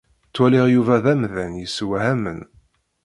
Ttwaliɣ Yuba d amdan yessewhamen.